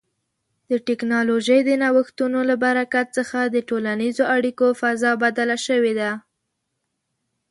د ټکنالوژۍ د نوښتونو له برکت څخه د ټولنیزو اړیکو فضا بدله شوې ده.